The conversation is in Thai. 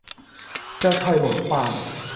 เจ้าถ้อยหมอความ